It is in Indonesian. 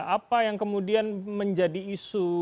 apa yang kemudian menjadi isu